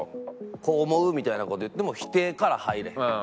「こう思う」みたいな事言っても否定から入れへん。